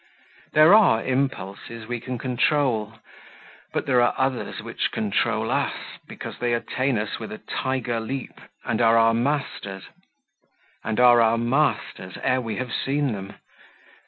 There are impulses we can control; but there are others which control us, because they attain us with a tiger leap, and are our masters ere we have seen them.